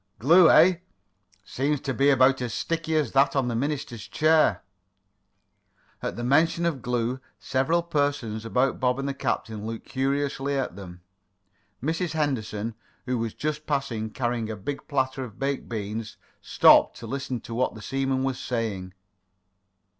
"Glue, eh? Seems to be about as sticky as that on the minister's chair." At the mention of glue several persons about Bob and the captain looked curiously at them. Mrs. Henderson, who was just then passing, carrying a big platter of baked beans, stopped to listen to what the seaman was saying.